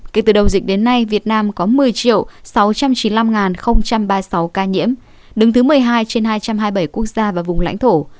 kể từ đầu dịch đến nay việt nam có một mươi sáu trăm chín mươi năm ba mươi sáu ca nhiễm đứng thứ một mươi hai trên hai trăm hai mươi bảy quốc gia và vùng lãnh thổ